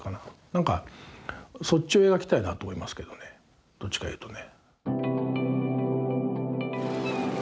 何かそっちを描きたいなと思いますけどねどっちか言うとね。